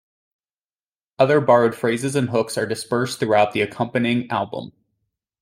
Other borrowed phrases and hooks are dispersed throughout the accompanying album.